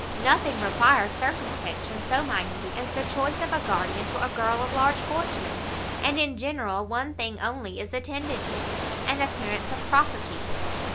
Nothing requires circumspection so minute as the choice of a guardian to a girl of large fortune, and in general one thing only is attended to, an appearance of property.